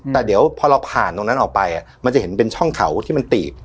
แต่เดี๋ยวพอเราผ่านตรงนั้นออกไปมันจะเห็นเป็นช่องเขาที่มันตีบ